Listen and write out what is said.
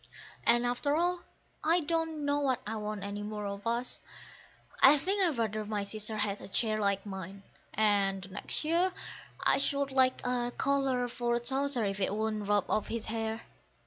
And after all I don't know that I want any more of us: I think I'd rather my sister had a chair Like mine; and the next year I should like a collar for Towser if it wouldn't rub off his hair.